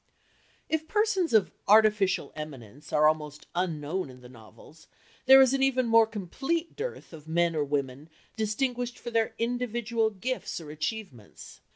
If persons of artificial eminence are almost unknown in the novels, there is an even more complete dearth of men or women distinguished for their individual gifts or achievements.